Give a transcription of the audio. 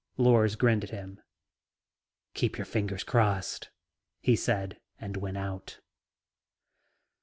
Lors grinned at him. "Keep your fingers crossed," he said and went out.